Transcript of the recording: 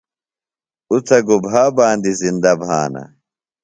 اُڅہ گُبھا باندیۡ زِندہ بھانہ؟